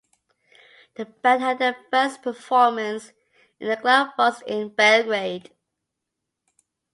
The band had their first performance in the club Vox in Belgrade.